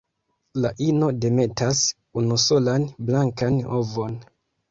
La ino demetas unusolan blankan ovon.